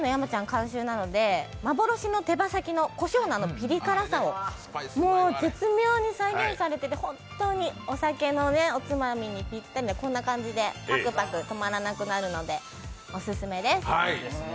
監修なので幻の手羽先のこしょうのピリ辛さを絶妙に再現されていて本当にお酒のおつまみにピッタリで、こんな感じでぱくぱく止まらなくなるのでオススメです。